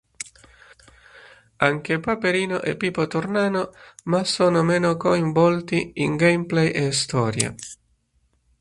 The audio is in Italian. Anche Paperino e Pippo tornano, ma sono meno coinvolti in gameplay e storia.